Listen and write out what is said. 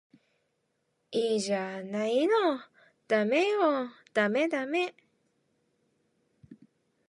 いいじゃないのダメよダメダメ